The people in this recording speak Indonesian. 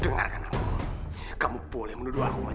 dengarkan aku kamu boleh menuduh aku macam macam